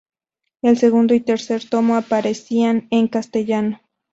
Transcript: El segundo y tercer tomo aparecerían en castellano.